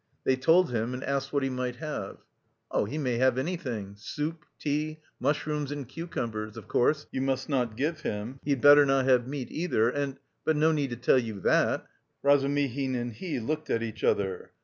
They told him, and asked what he might have. "He may have anything... soup, tea... mushrooms and cucumbers, of course, you must not give him; he'd better not have meat either, and... but no need to tell you that!" Razumihin and he looked at each other.